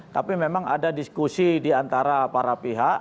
tapi memang ada diskusi diantara para pihak